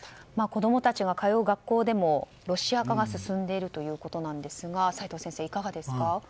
子供たちが通う学校でもロシア化が進んでいるということですが齋藤先生、いかがですか？